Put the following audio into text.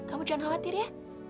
kamu jangan khawatir ya